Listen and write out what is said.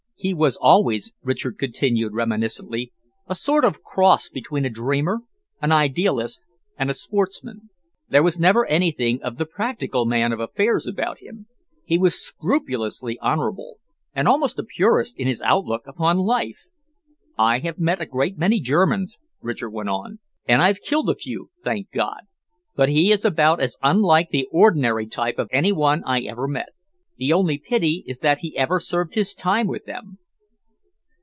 "He was always," Richard continued reminiscently, "a sort of cross between a dreamer, an idealist, and a sportsman. There was never anything of the practical man of affairs about him. He was scrupulously honourable, and almost a purist in his outlook upon life. I have met a great many Germans," Richard went on, "and I've killed a few, thank God! but he is about as unlike the ordinary type as any one I ever met. The only pity is that he ever served his time with them."